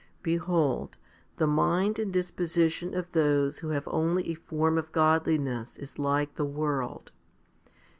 Behold, the mind and disposition of those who have only a form of godliness is like the world.